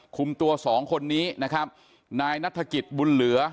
คุมตัวสองคนนี้นะครับนายนัฐกิจบุญเหลือ